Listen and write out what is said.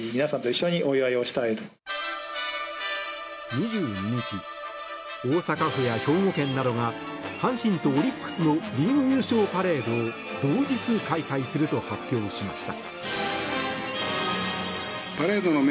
２２日、大阪府や兵庫県などが阪神とオリックスのリーグ優勝パレードを同日開催すると発表しました。